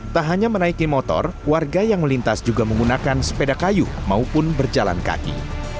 tak hanya menaiki motor warga yang melintas juga menggunakan sepeda kayu maupun berjalan kaki